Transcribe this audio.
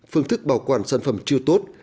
phương thức bảo quản sản phẩm chưa tốt